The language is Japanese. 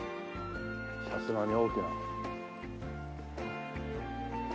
さすがに大きな。